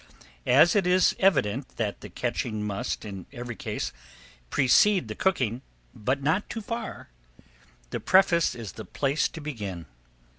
As it is evident that the catching must, in every case precede the cooking but not too far the preface is the place to begin.